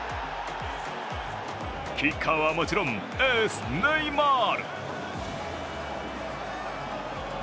キッカーはもちろんエース・ネイマール。